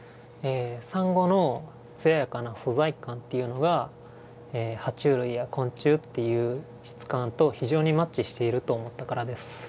サンゴのつややかな素材感というのがは虫類や昆虫という質感と非常にマッチしていると思ったからです。